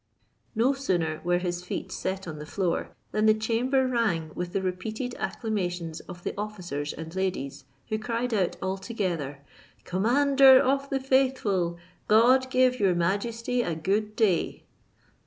No sooner were his feet set on the floor, than the chamber rang with the repeated acclamations of the officers and ladies, who cried out all together, "Commander of the faithful, God give your majesty a good day."